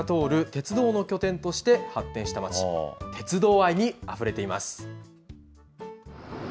鉄道の拠点として発展した町、鉄道愛にあふれています。